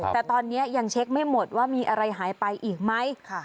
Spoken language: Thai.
แต่ตอนนี้ยังเช็คไม่หมดว่ามีอะไรหายไปอีกไหม